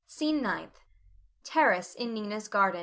SCENE NINTH. [Terrace in Nina's garden.